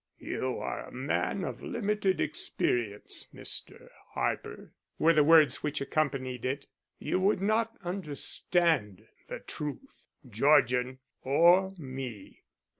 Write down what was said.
"You are a man of limited experience, Mr. Harper," were the words which accompanied it. "You would not understand the truth, Georgian or me.